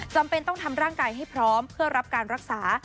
จำเป็นต้องทำร่างกายให้พร้อมเพื่อรับการรักษา